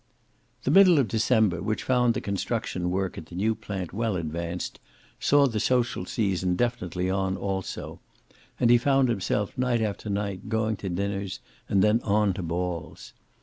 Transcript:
The middle of December, which found the construction work at the new plant well advanced, saw the social season definitely on, also, and he found himself night after night going to dinners and then on to balls.